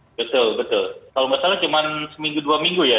betul betul kalau nggak salah cuma seminggu dua minggu ya